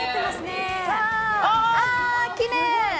ああ、きれい！